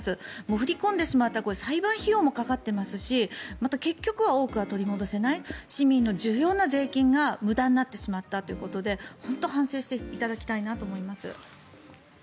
振り込んでしまった裁判費用もかかっていますしまた結局は多くは取り戻せない市民の重要な税金が無駄になってしまったということで本当に反省していただきたいなと思います。